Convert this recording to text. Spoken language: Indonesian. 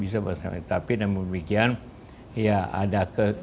tapi namun demikian ya ada ke